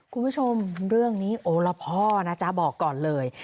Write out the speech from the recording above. คุณผู้ชมเรื่องนี้โอละพ่อนะจ๊ะบอกก่อนเลย